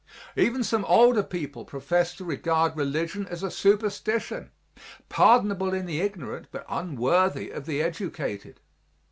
Even some older people profess to regard religion as a superstition, pardonable in the ignorant but unworthy of the educated.